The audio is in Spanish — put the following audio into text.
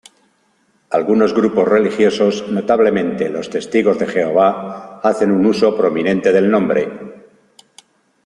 Algunos grupos religiosos, notablemente los Testigos de Jehová hacen un uso prominente del nombre.